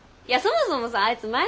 いやそもそもさアイツ